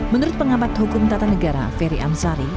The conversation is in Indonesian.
menurut pengamat hukum tata negara ferry amsari